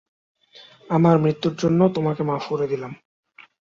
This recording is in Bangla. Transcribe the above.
আমার মৃত্যুর জন্য তোমাকে মাফ করে দিলাম।